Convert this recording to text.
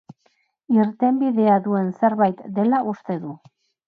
Irtenbidea duen zerbait dela uste du.